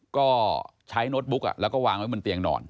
ก็ใช้โน้ตบุ๊กแล้วก็วางไว้บนเตียงนอน